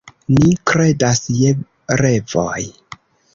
Ni kredas je revoj.